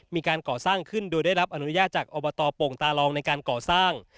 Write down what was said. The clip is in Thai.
มีการก่อสร้างขึ้นโดยได้รับอนุญาตจากอบตโป่งตาลองในการก่อสร้าง